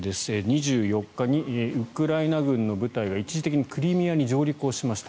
２４日にウクライナ軍の部隊が一時的にクリミアに上陸しました。